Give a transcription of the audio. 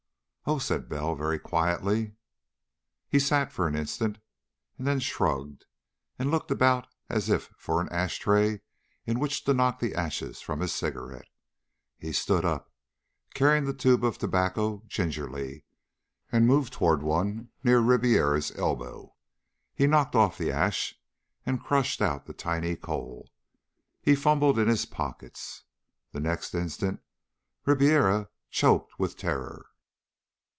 "Oh," said Bell, very quietly. He sat still for an instant, and then shrugged, and looked about as if for an ash tray in which to knock the ashes from his cigarette. He stood up, carrying the tube of tobacco gingerly, and moved toward one by Ribiera's elbow. He knocked off the ash, and crushed out the tiny coal. He fumbled in his pockets. The next instant Ribiera choked with terror.